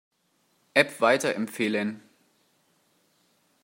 App weiterempfehlen.